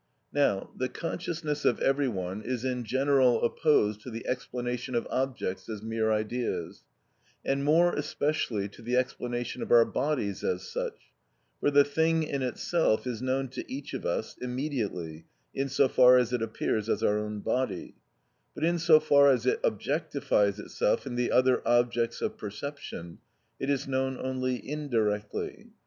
Now the consciousness of every one is in general opposed to the explanation of objects as mere ideas, and more especially to the explanation of our bodies as such; for the thing in itself is known to each of us immediately in so far as it appears as our own body; but in so far as it objectifies itself in the other objects of perception, it is known only indirectly.